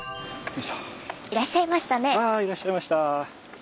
ああいらっしゃいました。